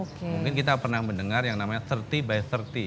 mungkin kita pernah mendengar yang namanya tiga puluh by tiga puluh